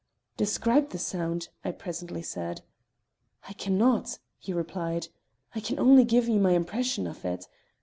"Describe the sound!" I presently said. "I can not," he replied. "I can only give you my impression of it.